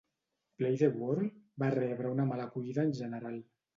"Play the World" va rebre una mala acollida en general.